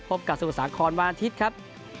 พบกับสมุทรสาครวันอาทิตย์ครับ